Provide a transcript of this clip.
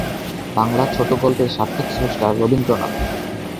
বাংলা ছোটগল্পের সার্থক স্রষ্টা রবীন্দ্রনাথ।